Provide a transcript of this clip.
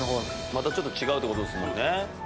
またちょっと違うってことですもんね。